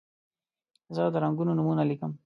زه د رنګونو نومونه لیکم.